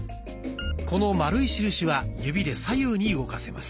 この丸い印は指で左右に動かせます。